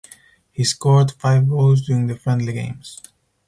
He scored five goals during the friendly games.